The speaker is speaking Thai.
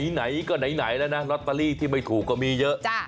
ไหนก็ไหนแล้วนะลอตเตอรี่ที่ไม่ถูกก็มีเยอะ